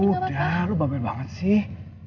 udah lo bambel banget sih